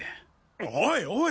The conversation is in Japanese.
おいおい。